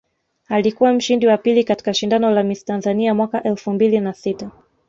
Alikuwa mshindi wa pili katika shindano la Miss Tanzania mwaka elfu mbili na sita